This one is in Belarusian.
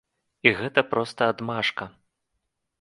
І гэта проста адмашка.